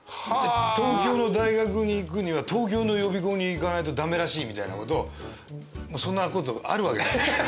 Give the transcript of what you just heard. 東京の大学に行くには東京の予備校に行かないと駄目らしいみたいなことをそんなことあるわけ。